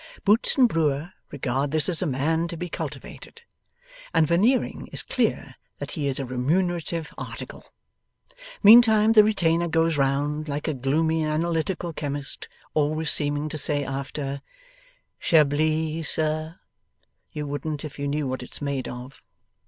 Boots and Brewer regard this as a man to be cultivated; and Veneering is clear that he is a remunerative article. Meantime the retainer goes round, like a gloomy Analytical Chemist: always seeming to say, after 'Chablis, sir?' 'You wouldn't if you knew what it's made of.